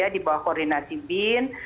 di bawah koordinasi bin